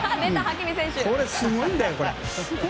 これ、すごいんだよ。